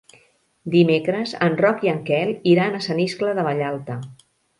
Dimecres en Roc i en Quel iran a Sant Iscle de Vallalta.